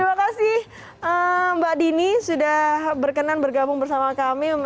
terima kasih mbak dini sudah berkenan bergabung bersama kami menceritakan bagaimana nasihatnya